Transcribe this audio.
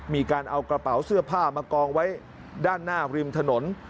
มีการเอากระเป๋าเสื้อผ้ามากองไว้ด้านหน้าริมถนน